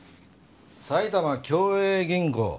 埼玉共栄銀行？